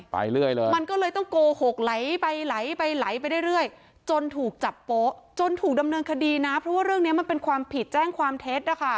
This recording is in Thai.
ไปเรื่อยเลยมันก็เลยต้องโกหกไหลไปไหลไปไหลไปเรื่อยจนถูกจับโป๊ะจนถูกดำเนินคดีนะเพราะว่าเรื่องนี้มันเป็นความผิดแจ้งความเท็จนะคะ